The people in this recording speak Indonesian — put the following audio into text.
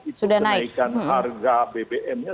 kenaikan harga bbmnya